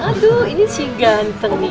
aduh ini si ganteng nih